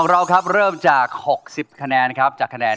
เอาหล่ะค่ะ